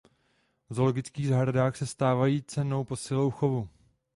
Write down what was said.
V zoologických zahradách se stávají cennou posilou chovu.